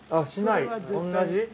しない同じ？